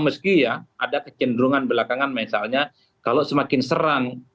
meski ya ada kecenderungan belakangan misalnya kalau semakin serang